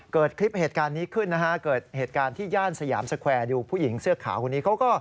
เกิดคลิปเหตุการณ์นี้ขึ้น